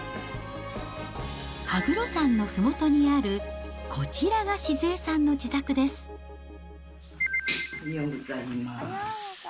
羽黒山のふもとにある、おはようございます。